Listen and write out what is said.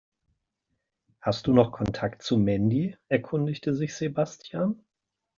Hast du noch Kontakt zu Mandy?, erkundigte sich Sebastian.